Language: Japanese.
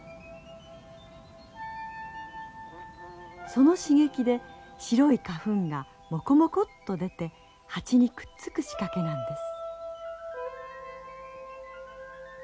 その刺激で白い花粉がモコモコっと出てハチにくっつく仕掛けなんです。